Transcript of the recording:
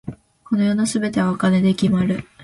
この世の全てはお金で決まる。